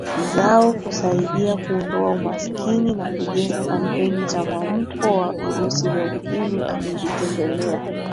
zao kusaidia kuondoa umaskini na kujenga kampeni za mwamko wa Virusi Vya Ukimwi Amezitembelea